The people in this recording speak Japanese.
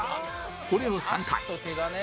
これを３回